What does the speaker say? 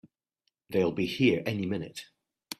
They'll be here any minute!